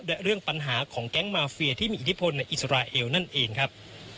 และเรื่องปัญหาของแก๊งมาเฟียที่มีอิทธิพลในอิสราเอลนั่นเองครับ